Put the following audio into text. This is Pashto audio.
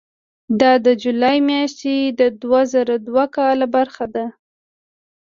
دا د جولای میاشتې د دوه زره دوه کاله خبره ده.